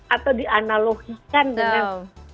atau dianalogikan dengan